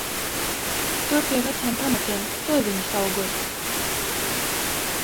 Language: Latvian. Tur pie veciem pamatiem, tur viņas augot.